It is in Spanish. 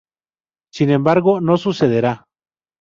Sin embargo, no sucederá.